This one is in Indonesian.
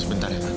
sebentar ya pak